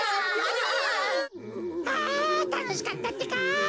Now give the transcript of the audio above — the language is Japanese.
あたのしかったってか！